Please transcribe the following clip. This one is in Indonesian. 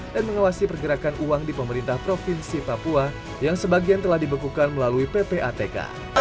dan mengawasi pergerakan uang di pemerintah provinsi papua yang sebagian telah dibekukan melalui ppatk